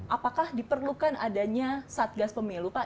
apakah diperlukan adanya satgas pemilu pak